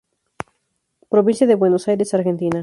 Provincia de Buenos Aires, Argentina.